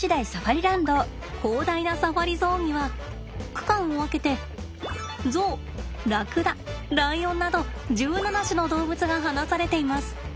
広大なサファリゾーンには区間を分けてゾウラクダライオンなど１７種の動物が放されています。